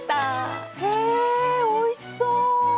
へえおいしそう。